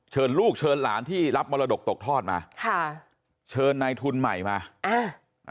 เชิญลูกเชิญหลานที่รับมรดกตกทอดมาค่ะเชิญนายทุนใหม่มาอ่า